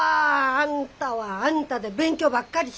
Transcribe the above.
あんたはあんたで勉強ばっかりしてるやろ。